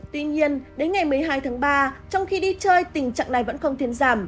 tuy nhiên đến ngày một mươi hai tháng ba trong khi đi chơi tình trạng này vẫn không thiên giảm